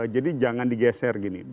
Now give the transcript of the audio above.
jadi jangan digeser gini